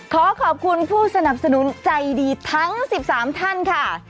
ขอขอบคุณผู้สนับสนุนใจดีทั้ง๑๓ท่านค่ะ